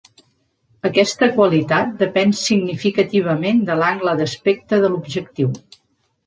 Aquesta qualitat depèn significativament de l'angle d'aspecte de l'objectiu.